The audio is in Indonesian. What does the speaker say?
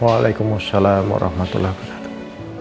waalaikumsalam warahmatullahi wabarakatuh